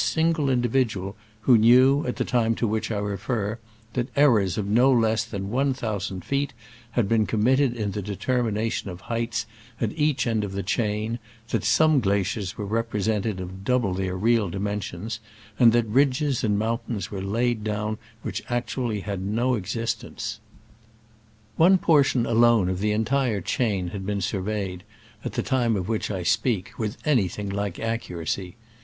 single individual who knew, at the time to which I refer, that errors of no less than one thousand feet had been com mitted in the determination of heights at each end of the chain, that some gla ciers were represented of double their real dimensions, and that ridges and mountains were laid down which actually had no existence. One portion alone of the entire chain had been surveyed, at the time of which I speak, with anything like accuracy.